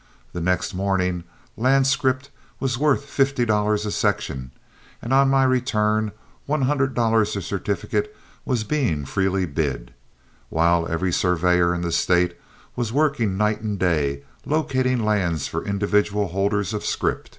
The next morning land scrip was worth fifty dollars a section, and on my return one hundred dollars a certificate was being freely bid, while every surveyor in the State was working night and day locating lands for individual holders of scrip.